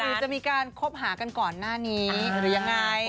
หรือจะมีการคบหากันก่อนหน้านี้หรือยังไง